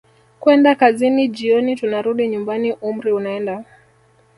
kwenda kazini jioni tunarudi nyumbani umri unaenda